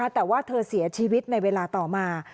แต่ว่าเธอเสียชีวิตในเวลาต่อมา